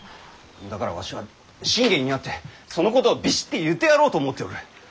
だからわしは信玄に会ってそのことをビシッて言ってやろうと思っておる！